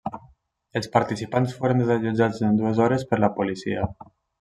Els participants foren desallotjats en dues hores per la policia.